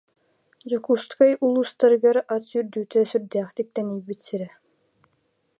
Дьокуускай улуустарыгар ат сүүрдүүтэ сүрдээхтик тэнийбит сирэ